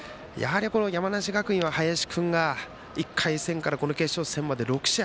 山梨学院は林君が１回戦から決勝戦まで６試合。